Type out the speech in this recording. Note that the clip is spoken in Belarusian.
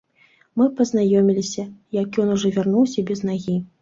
Мы пазнаёміліся, як ён ужо вярнуўся без нагі.